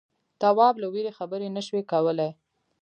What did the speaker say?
تواب له وېرې خبرې نه شوې کولای.